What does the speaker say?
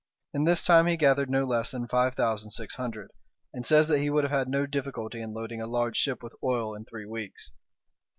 In this time he gathered no less than five thousand six hundred, and says that he would have had no difficulty in loading a large ship with oil in three weeks.